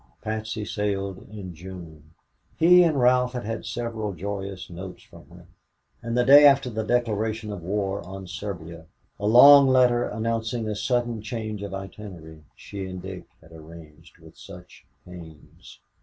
Patsy sailed in June. He and Ralph had had several joyous notes from her, and the day after the declaration of war on Serbia a long letter announcing a sudden change of the itinerary she and Dick had arranged with such pains.